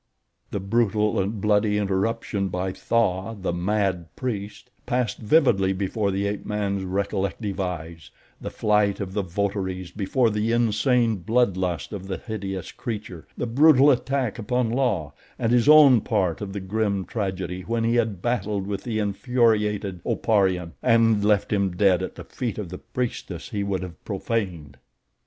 The brutal and bloody interruption by Tha, the mad priest, passed vividly before the ape man's recollective eyes, the flight of the votaries before the insane blood lust of the hideous creature, the brutal attack upon La, and his own part of the grim tragedy when he had battled with the infuriated Oparian and left him dead at the feet of the priestess he would have profaned.